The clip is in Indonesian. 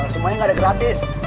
semuanya gak ada gratis